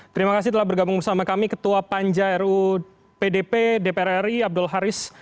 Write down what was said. terima kasih telah bergabung bersama kami ketua panja ru pdp dpr ri abdul haris